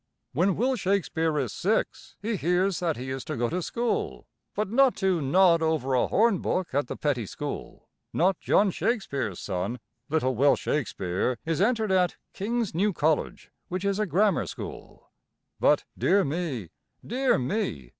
When Will Shakespeare is six, he hears that he is to go to school. But not to nod over a hornbook at the petty school not John Shakespeare's son! Little Will Shakespeare is entered at King's New College, which is a grammar school. But, dear me! Dear me!